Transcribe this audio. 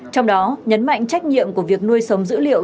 trong đó nhấn mạnh trách nhiệm của việc nuôi sống dữ liệu